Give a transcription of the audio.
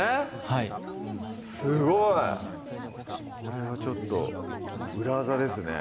はいすごいこれはちょっと裏技ですね